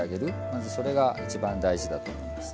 まずそれが一番大事だと思います。